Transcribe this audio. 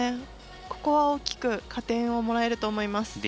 ここは大きく加点をもらえると思います。